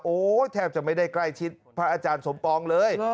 แทบจะไม่ได้ใกล้ชิดพระอาจารย์สมปองเลย